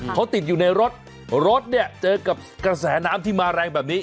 เขาติดอยู่ในรถรถเนี่ยเจอกับกระแสน้ำที่มาแรงแบบนี้